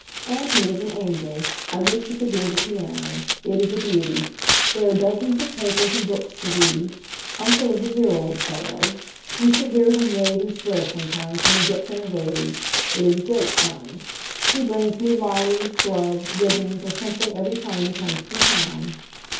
Auntie is an angel. I wish you could hear the piano. It is a beauty. There are dozens of papers and books to read. Uncle is a dear old fellow. You should hear him rave and swear sometimes when he gets in a rage. It is great fun. He brings me lollies, gloves, ribbons, or something every time he comes from town.